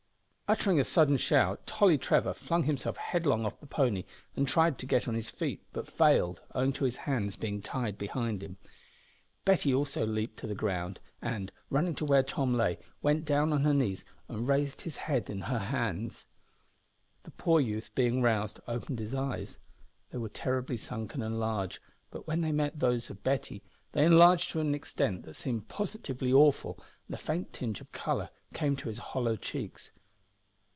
Uttering a sudden shout Tolly Trevor flung himself headlong off the pony and tried to get on his feet but failed, owing to his hands being tied behind him. Betty also leaped to the ground, and, running to where Tom lay, went down on her knees and raised his head in her hands. The poor youth, being roused, opened his eyes. They were terribly sunken and large, but when they met those of Betty they enlarged to an extent that seemed positively awful, and a faint tinge of colour came to his hollow cheeks.